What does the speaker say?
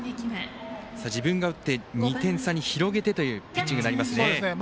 自分が打って２点差に広げてというピッチングですね。